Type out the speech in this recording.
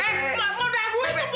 eh mau dapur itu bu